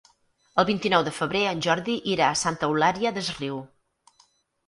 El vint-i-nou de febrer en Jordi irà a Santa Eulària des Riu.